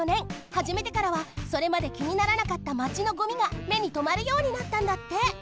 はじめてからはそれまできにならなかったマチのごみがめにとまるようになったんだって。